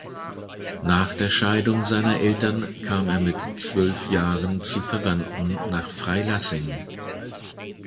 Nach der Scheidung seiner Eltern kam er mit zwölf Jahren zu Verwandten nach Freilassing.